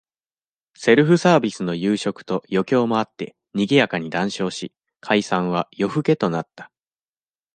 セルフサービスの夕食と、余興もあって、賑やかに談笑し、解散は、夜更けとなった。